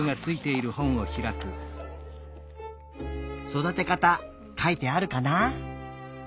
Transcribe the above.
そだてかたかいてあるかな？